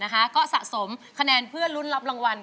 ก็สะสมคะแนนเพื่อลุ้นรับรางวัล